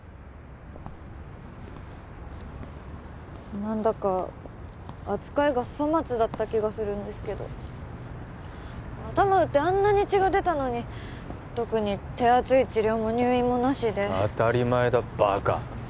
何だか扱いが粗末だった気がするんですけど頭打ってあんなに血が出たのに特に手厚い治療も入院もなしで当たり前だバカ！